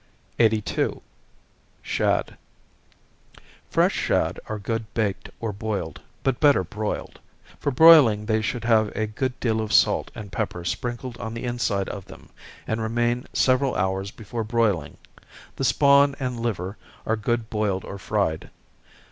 82. Shad. Fresh shad are good baked or boiled, but better broiled. For broiling, they should have a good deal of salt and pepper sprinkled on the inside of them, and remain several hours before broiling. The spawn and liver are good boiled or fried.